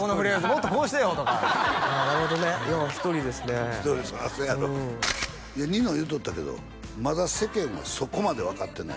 もっとこうしてよ」とかなるほどねいや１人ですね１人そらそうやろニノ言うとったけどまだ世間はそこまで分かってない